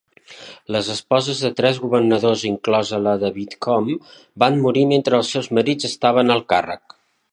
Les esposes de tres governadors, inclosa la de Whitcomb, van morir mentre els seus marits estaven al càrrec.